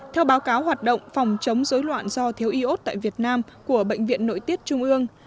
theo báo cáo hoạt động phòng chống dối loạn do thiếu iốt tại việt nam của bệnh viện nội tiết trung ương